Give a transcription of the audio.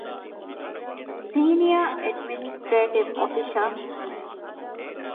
ސީނިޔަރ އެޑްމިނިސްޓްރޭޓިވް އޮފިޝަރ